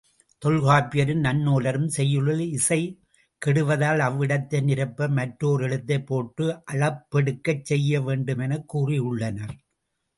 தொல்காப்பியரும் நன்னூலாரும், செய்யுளில் இசை கெடுவதால் அவ்விடத்தை நிரப்ப மற்றோரெழுத்தைப் போட்டு அளபெடுக்கச் செய்யவேண்டும் எனக் கூறியுள்ளனர்.